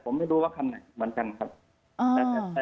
ผมไม่รู้ว่าคันไหนมันคันครับ